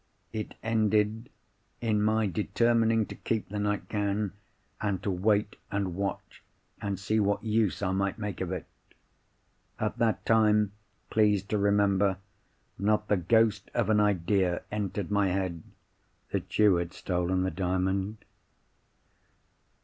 It ended in my determining to keep the nightgown, and to wait, and watch, and see what use I might make of it. At that time, please to remember, not the ghost of an idea entered my head that you had stolen the Diamond."